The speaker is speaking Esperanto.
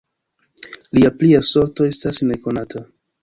Lia plia sorto estas nekonata.